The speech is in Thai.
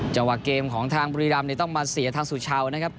จังหวะเกมที่ของพลังเป็นทางบุรีรัมต้องมาเสียทางสุชาวนะครับ